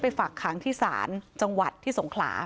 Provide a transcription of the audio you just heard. ไปฝักขังที่ศาลจังหวัดที่สงขลา